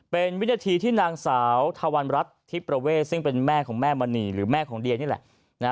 เป็นวินาทีที่นางสาวทวรรณรัฐทิพประเวทซึ่งเป็นแม่ของแม่มณีหรือแม่ของเดียนี่แหละ